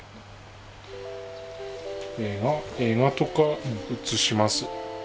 映画とか映します？